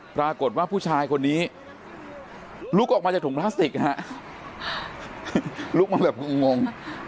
ปรากฏว่าผู้ชายคนนี้ลุกออกมาจากถุงพลาสติกฮะลุกมาแบบงง